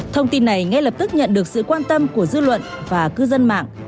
thông tin này ngay lập tức nhận được sự quan tâm của dư luận và cư dân mạng